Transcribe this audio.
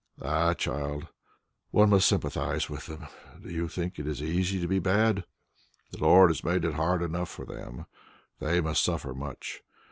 "Ah, child, one must sympathize with them. Do you think it is so easy to be bad? The Lord has made it hard enough for them; they must suffer much.